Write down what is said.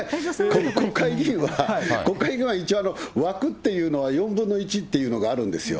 国会議員は、一応、枠っていうのは４分の１っていうのがあるんですよ。